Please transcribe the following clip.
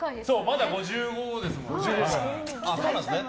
まだ５５ですもんね。